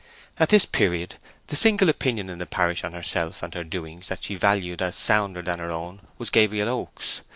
At this period the single opinion in the parish on herself and her doings that she valued as sounder than her own was Gabriel Oak's.